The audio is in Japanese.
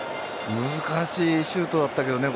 難しいシュートだったけどね。